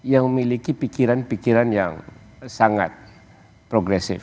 yang memiliki pikiran pikiran yang sangat progresif